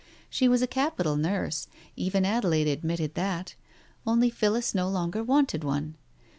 She was a capital nurse, even Adelaide admitted that, only Phillis no longer wanted one.